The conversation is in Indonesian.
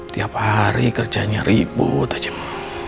tiap hari kerjanya ribut aja mah